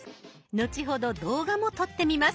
後ほど動画も撮ってみます。